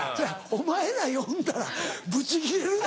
お前ら呼んだらぶちギレるぞ。